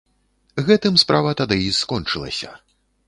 Гэтым справа тады і скончылася.